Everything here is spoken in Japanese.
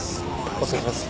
お疲れさまです。